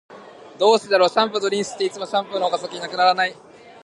どうしてだろう、シャンプーとリンスって、いつもシャンプーの方が先に無くならない？